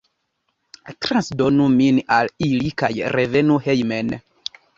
Transdonu min al ili kaj revenu hejmen.